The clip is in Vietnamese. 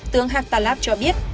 tướng haqat tlaib cho biết